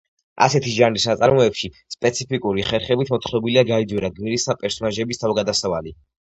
ასეთი ჟანრის ნაწარმოებში სპეციფიკური ხერხებით მოთხრობილია გაიძვერა გმირის ან პერსონაჟების თავგადასავალი.